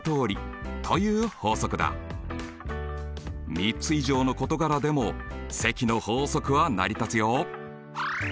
３つ以上の事柄でも積の法則は成り立つよ。